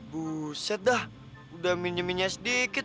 buset dah udah minyeminnya sedikit